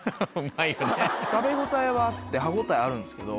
食べ応えはあって歯応えあるんですけど。